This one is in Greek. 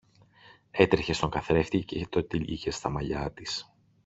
έτρεχε στον καθρέφτη και το τύλιγε στα μαλλιά της.